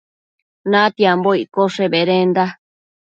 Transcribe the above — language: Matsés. Natiambo iccoshe bedenda